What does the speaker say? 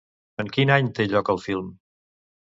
En quin any té lloc el film?